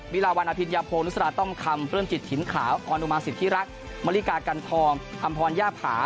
วิลาวัณฑิตยาโพงนุษยาต้อมคำเพิ่มจิตถิ่นขาวออนุมาสิทธิรักมริกากันทองอำพรญญาผา